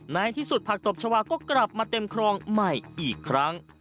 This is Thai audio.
ในที่สุดผักตบชาวาก็กลับมาเต็มครองใหม่อีกครั้ง